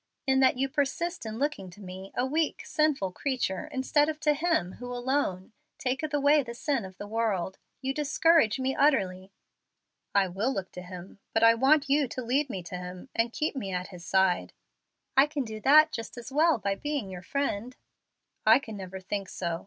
In that you persist in looking to me, a weak, sinful creature, instead of to Him who alone 'taketh away the sin of the world,' you discourage me utterly." "I will look to Him, but I want you to lead me to Him, and keep me at His side." "I can do that just as well by being your friend." "I can never think so.